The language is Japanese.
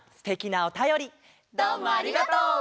どうもありがとう！